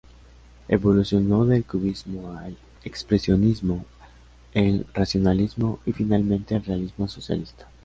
Evolucionó del cubismo al expresionismo, el racionalismo y, finalmente, el realismo socialista.